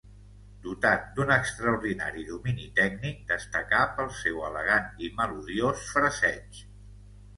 Dotat d'un extraordinari domini tècnic, destacà pel seu elegant i melodiós fraseig.